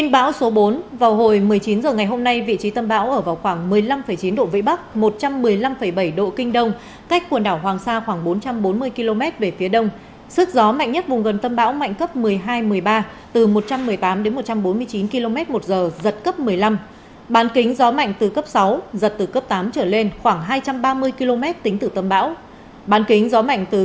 bản kính gió mạnh từ cấp một mươi giật từ cấp một mươi hai trở lên khoảng một trăm linh km tính từ tâm bão